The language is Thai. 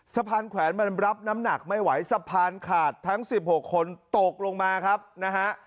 แขวนมันรับน้ำหนักไม่ไหวสะพานขาดทั้ง๑๖คนตกลงมาครับนะฮะ